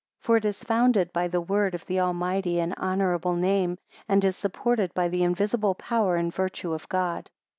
For it is founded by the word of the almighty and honourable name, and is supported by the invisible power and virtue of God.